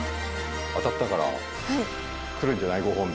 当たったから来るんじゃないご褒美。